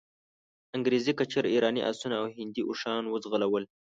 انګریزي کچر، ایراني آسونه او هندي اوښان وځغلول.